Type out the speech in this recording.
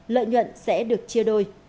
lợi nhuận sẽ được chia đôi